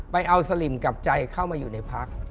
ไปเอาสลิมกับใจเข้ามาอยู่ในพัก